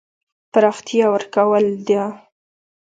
پراختیا ورکول ده.